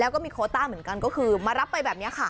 แล้วก็มีโคต้าเหมือนกันก็คือมารับไปแบบนี้ค่ะ